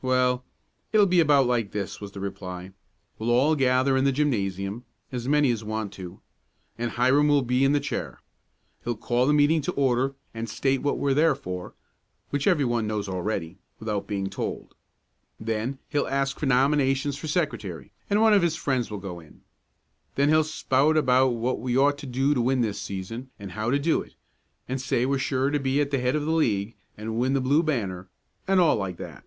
"Well, it'll be about like this," was the reply. "We will all gather in the gymnasium as many as want to and Hiram will be in the chair. He'll call the meeting to order and state what we're there for, which everyone knows already, without being told. Then he'll ask for nominations for secretary, and one of his friends will go in. Then he'll spout about what we ought to do to win this season, and how to do it, and say we're sure to be at the head of the league and win the Blue Banner and all like that.